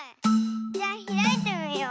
じゃひらいてみよう。